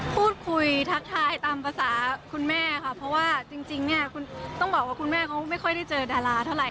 พูดคุยทักทายตามภาษาคุณแม่ค่ะเพราะว่าจริงเนี่ยต้องบอกว่าคุณแม่เขาไม่ค่อยได้เจอดาราเท่าไห